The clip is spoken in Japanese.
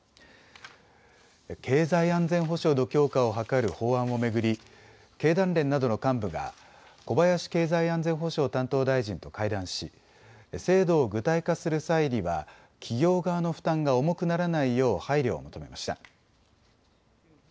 経済安全保障の強化を図る法案を巡り経団連などの幹部が小林経済安全保障担当大臣と会談し、制度を具体化する際には企業側の負担が重くならないよう配慮を求めました。